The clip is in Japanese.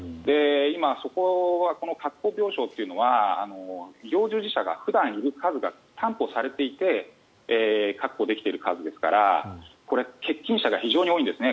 今、そこは確保病床というのは医療従事者が普段いる数が担保されていて確保できている数ですからこれ、欠勤者が非常に多いんですね